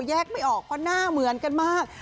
แยกไม่ออกเพราะหน้าเหมือนกันมาก